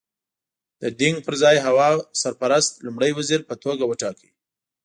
د دینګ پر ځای هوا سرپرست لومړی وزیر په توګه وټاکه.